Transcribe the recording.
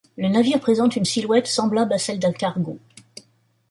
Le navire présente une silhouette semblable à celle d'un cargo.